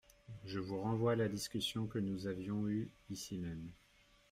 Je vous renvoie à la discussion que nous avions eue ici même.